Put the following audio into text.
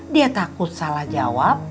dia takut salah jawab